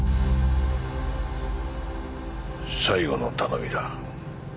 最後の頼みだ。